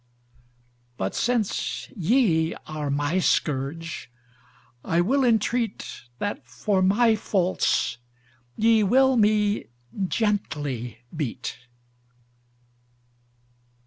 But since ye are my scourge I will intreat, That for my faults ye will me gently beat.